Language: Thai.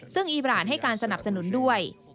ซึ่งอีบรานให้การสนับสนุนด้วย